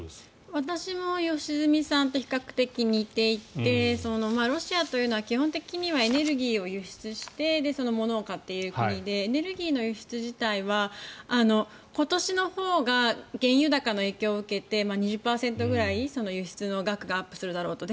私も良純さんと比較的似ていてロシアというのは基本的にはエネルギーを輸出してものを買っている国でエネルギーの輸出自体は今年のほうが原油高の影響を受けて２０％ぐらい輸出の額がアップするだろうと。